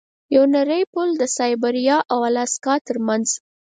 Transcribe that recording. یو نری پل د سایبریا او الاسکا ترمنځ و.